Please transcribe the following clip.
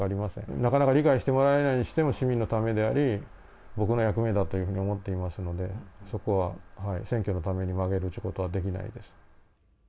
なかなか理解してもらえないにしても市民のためであり、僕の役目だというふうに思っていますので、そこは、選挙のために曲げるということはできないです。